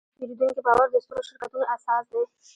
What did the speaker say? د پیرودونکي باور د سترو شرکتونو اساس دی.